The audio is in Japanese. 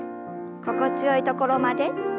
心地よいところまで。